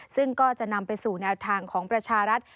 ซึ่งก็จะนำไปสู่แนวทางของประชารัฐ